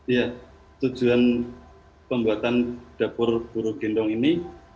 iya tujuan pembuatan dapur buruh gendong ini